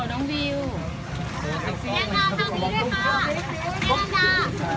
น้องวิวมาทำงานหรอที่นอนอยู่อีกคุณหนึ่ง